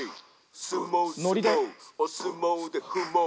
「すもうすもうおすもうでふもう」